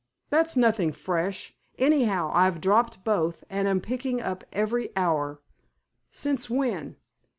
"That's nothing fresh. Anyhow, I've dropped both, and am picking up every hour." "Since when?"